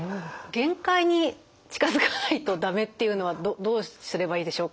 限界に近づかないと駄目というのはどうすればいいでしょうか？